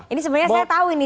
ini sebenarnya saya tahu ini